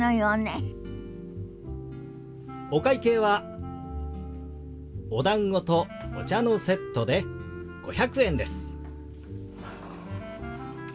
お会計はおだんごとお茶のセットで５００円です。